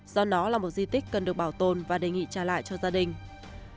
do đó là một di tích cần được bảo tồn và đề nghị trả lại cho gia đình